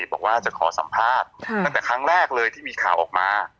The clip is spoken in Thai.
บอกว่าจะขอสัมภาษณ์ตั้งแต่ครั้งแรกเลยที่มีข่าวออกมา